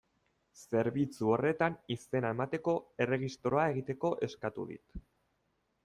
Zerbitzu horretan izena emateko, erregistroa egiteko, eskatu dit.